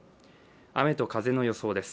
雨と風の予想です。